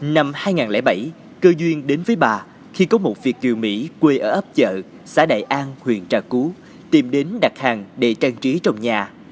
năm hai nghìn bảy cơ duyên đến với bà khi có một việc kiều mỹ quê ở ấp chợ xã đại an huyện trà cú tìm đến đặt hàng để trang trí trong nhà